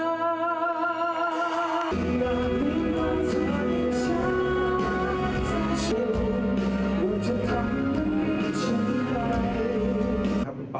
ไม่มีแต่เธอไม่มีแต่เธอ